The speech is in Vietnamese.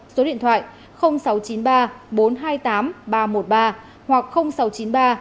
số điện thoại sáu trăm chín mươi ba bốn trăm hai mươi tám ba trăm một mươi ba hoặc sáu trăm chín mươi ba bốn trăm hai mươi tám một trăm bốn mươi